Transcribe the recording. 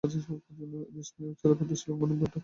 বিস্ময় এছাড়াও প্রত্যাশা লঙ্ঘনের কারণে ঘটতে পারে।